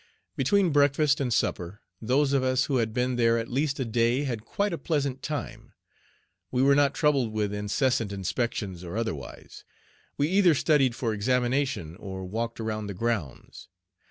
Between breakfast and supper those of us who had been there at least a day had quite a pleasant time. We were not troubled with incessant inspections or otherwise. We either studied for examination or walked around the grounds.